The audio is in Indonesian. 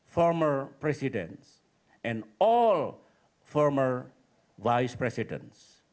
semua presiden dan wakil presiden